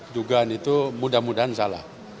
dugaan itu mudah mudahan salah